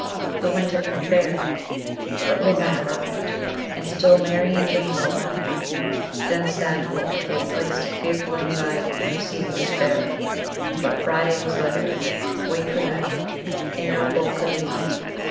The wind had been fair, but midnight arrived, and still Mary and Jane were alone; then sad hope gave place to fearful anxiety preceding despair; but Friday was letter day wait for that and no boat could leave.